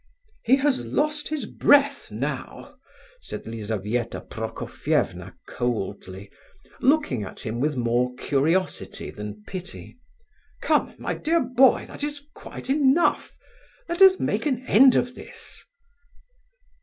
"He has lost his breath now!" said Lizabetha Prokofievna coldly, looking at him with more curiosity than pity: "Come, my dear boy, that is quite enough—let us make an end of this."